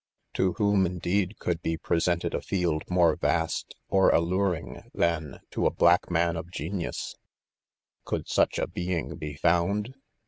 To whom, indeed, could he presented a field more vasU &%■■'; PREFACE. or alluring than to a Mack ee man of 'genius, P (Could such a 'feeing be found